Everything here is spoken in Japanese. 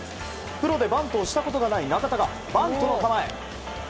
プロでバントをしたことがない中田がバントの構え。